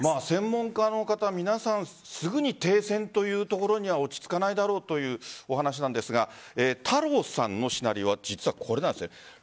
専門家の方、皆さんすぐに停戦というところには落ち着かないだろうというお話なんですが太郎さんのシナリオはこれなんです。